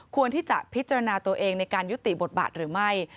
ควรที่จะพิจารณาตัวเองในการยุติบทบาทหรือไม่